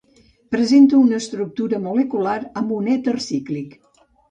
Presenta una estructura molecular amb un èter cíclic.